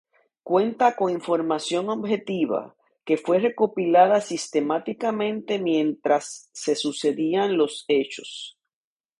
Cuenta con información objetiva, que fue recopilada sistemáticamente mientras se sucedían los hechos.